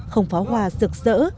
không phá hoa rực rỡ